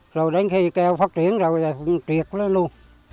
rồi đến khi keo phát triển rồi thì truyệt nó luôn